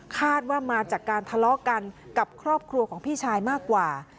คาดว่ามาจากการทะเลาะกันกับครอบครัวของพี่ชายมากกว่า